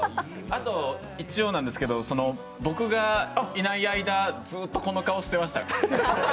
あと一応なんですけど僕がいない間、ずっとこの顔してました。